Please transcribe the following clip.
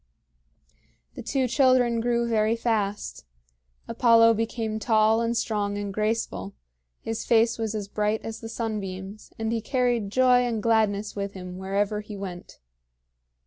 The two children grew very fast. Apollo became tall and strong and graceful; his face was as bright as the sunbeams; and he carried joy and gladness with him wherever he went.